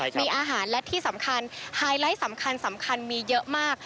มีอาหารและที่สำคัญไฮไลท์สำคัญมีเยอะมาก